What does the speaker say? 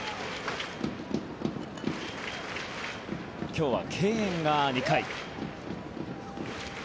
今日は敬遠が２回。